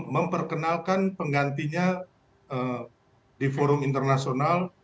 memperkenalkan penggantinya di forum internasional